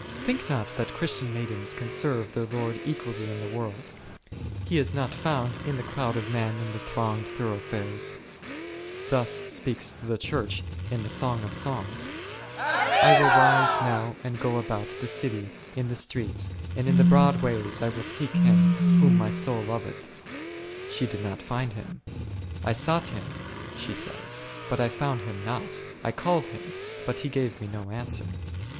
Think not that Christian maidens can serve their Lord equally in the world. He is not found in the crowd of men and the thronged thoroughfares ; thus speaks the Church in the Song of Songs, I will rise now and go about the city in the streets, and in the broad ways I w ill seek Him whom my soul loveth : she did not find Him; / sought Him, she says, but I found Him not, I called Him but He gave me no answer.